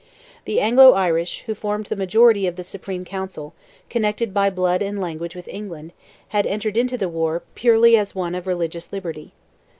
The Anglo Irish, who formed the majority of the Supreme Council, connected by blood and language with England, had entered into the war, purely as one of religious liberty.